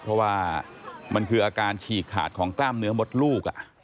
เพราะว่ามันคืออาการฉีกขาดของกล้ามเนื้อมดลูก